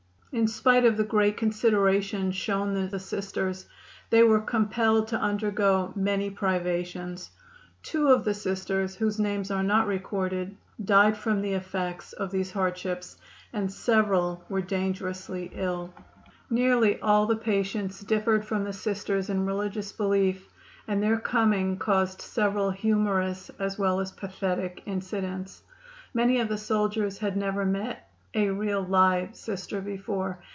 In spite of the great consideration shown the Sisters, they were compelled to undergo many privations. Two of the Sisters, whose names are not recorded, died from the effects of these hardships, and several were dangerously ill. Nearly all the patients differed from the Sisters in religious belief, and their coming caused several humorous as well as pathetic incidents. Many of the soldiers had never met "a real, live" Sister before.